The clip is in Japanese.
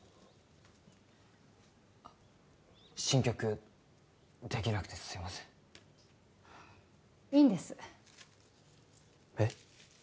新曲できなくてすいませんいいんですえっ？